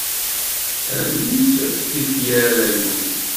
Rnut tifyar, rnut!